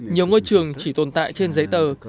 nhiều ngôi trường chỉ tồn tại trên giấy tờ